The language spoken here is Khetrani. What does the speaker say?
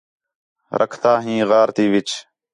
رکھدا ہیں غار تی وِچ